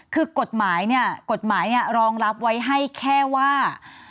คือกฎหมายเนี่ยกฎหมายเนี่ยรองรับไว้ให้แค่ว่า